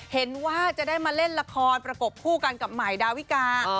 เห็นว่าจะได้มาเล่นละครประกบคู่กันกับใหม่ดาวิกา